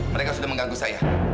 mereka sudah mengganggu saya